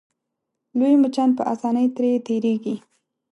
لوی مچان په اسانۍ ترې تېرېږي.